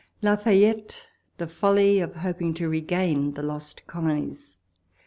169 LA TAYETTK—TEE FOLLY OF HOPING TO REGAIN THE LOST COLONIES.